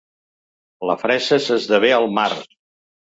La fresa s'esdevé al març.